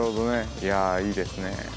いやあいいですねえ。